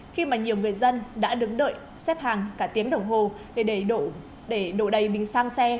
khi mà nhiều người dân đã đứng đợi xếp hàng cả tiếng đồng hồ để đổ đầy bình sang xe